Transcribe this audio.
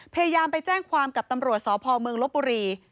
พยายามไปแจ้งความกับตำรวจสพเมืองลบบุรี